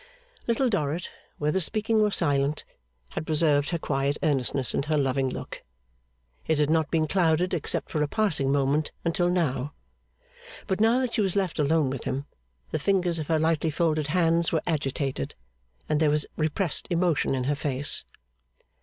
Little Dorrit, whether speaking or silent, had preserved her quiet earnestness and her loving look. It had not been clouded, except for a passing moment, until now. But now that she was left alone with him the fingers of her lightly folded hands were agitated, and there was repressed emotion in her face.